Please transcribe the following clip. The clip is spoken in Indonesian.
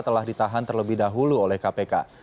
telah ditahan terlebih dahulu oleh kpk